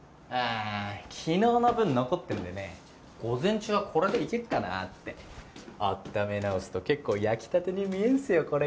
あ昨日の分残ってるんでね午前中はこれでいけっかなってあっため直すと結構焼きたてに見えんすよ